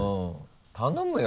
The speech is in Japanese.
頼むよ